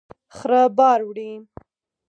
خره بار وړي.